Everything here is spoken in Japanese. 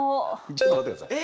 ちょっと待って下さい。